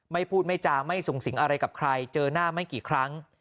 ไม่พูดไม่จาไม่สูงสิงอะไรกับใครเจอหน้าไม่กี่ครั้ง